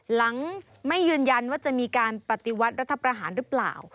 หลังไม่ยืนยันว่าจะมีการปฏิวัติรัฐประหารหรือเปล่า